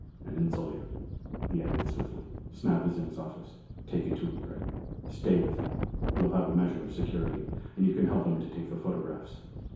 "An insulator," he added swiftly. "Snap is in his office. Take it to him, Gregg. Stay with him you'll have a measure of security and you can help him to make the photographs."